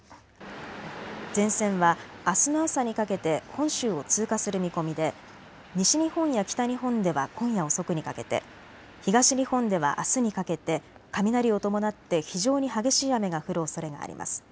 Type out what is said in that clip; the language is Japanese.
前線はあすの朝にかけて本州を通過する見込みで西日本や北日本では今夜遅くにかけて、東日本ではあすにかけて雷を伴って非常に激しい雨が降るおそれがあります。